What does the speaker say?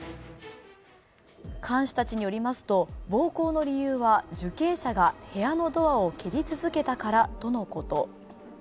看守たちによりますと、暴行の理由は受刑者が部屋のドアを蹴り続けたからとのこと。